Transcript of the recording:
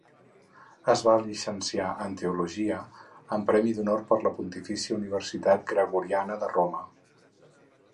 Es va llicenciar en Teologia, amb premi d'honor per la Pontifícia Universitat Gregoriana de Roma.